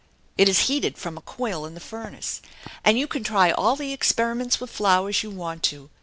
It is heated from a coil in the furnace, and you can try all the experiments with flowers you want to.